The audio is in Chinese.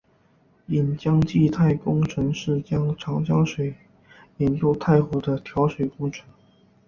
引江济太工程是引长江水进入太湖的调水工程。